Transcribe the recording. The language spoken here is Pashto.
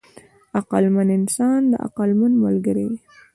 عقلمند انسان د عقلمند ملګری وي.